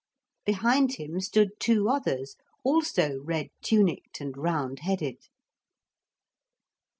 Behind him stood two others, also red tunicked and round headed.